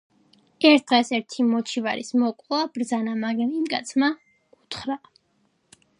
ერთ დღეს ერთი მოჩივარის მოკვლა ბრძანა, მაგრამ იმ კაცმა უთხრა: